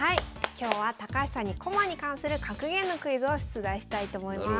今日は高橋さんに駒に関する格言のクイズを出題したいと思います。